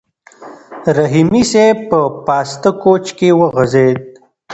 رحیمي صیب په پاسته کوچ کې وغځېد.